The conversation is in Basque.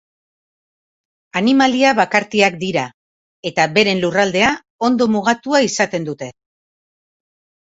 Animalia bakartiak dira, eta beren lurraldea ondo mugatua izaten dute.